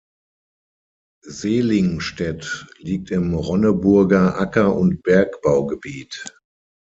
Seelingstädt liegt im Ronneburger Acker- und Bergbaugebiet.